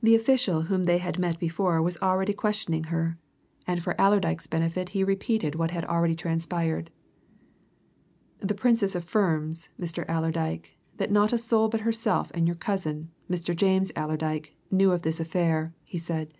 The official whom they had met before was already questioning her, and for Allerdyke's benefit he repeated what had already transpired. "The Princess affirms, Mr. Allerdyke, that not a soul but herself and your cousin, Mr. James Allerdyke, knew of this affair," he said.